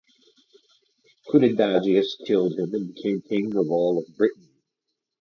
Cunedagius killed him and became king of all of Britain.